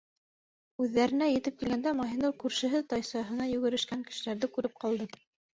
Үҙҙәренә етеп килгәндә Маһинур күршеһе тайсаһына йүгерешкән кешеләрҙе күреп ҡалды.